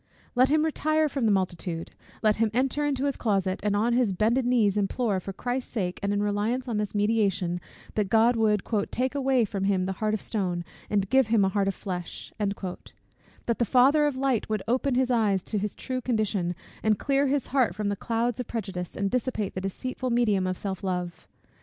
Let him retire from the multitude Let him enter into his closet, and on his bended knees implore, for Christ's sake and in reliance on his mediation, that God would "take away from him the heart of stone, and give him a heart of flesh;" that the Father of light would open his eyes to his true condition, and clear his heart from the clouds of prejudice, and dissipate the deceitful medium of self love.